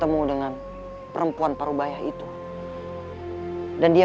ibu nda ibu nda dimana ibu nda